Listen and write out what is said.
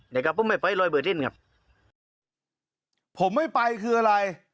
เดี๋ยวก็ผมไม่ไปรอยเบอร์ทิ้นครับผมไม่ไปคืออะไร